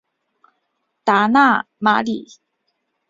达讷马里。